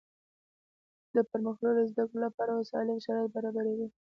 د پرمختللو زده کړو له پاره وسائل او شرایط برابروي.